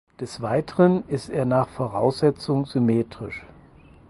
Des Weiteren ist er nach Voraussetzung symmetrisch.